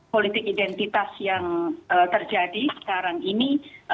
politik identitas yang terjadi sekarang ini